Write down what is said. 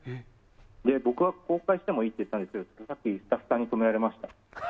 僕は公開してもいいと言ったんですけどさっきスタッフさんに止められました。